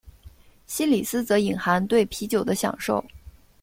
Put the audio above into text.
西里斯则隐含对啤酒的享受。